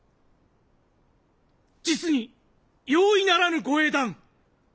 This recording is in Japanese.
実に容易ならぬご英断！